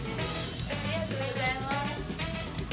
ありがとうございます！